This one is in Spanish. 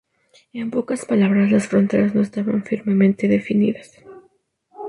En pocas palabras, las fronteras no estaban firmemente definidas.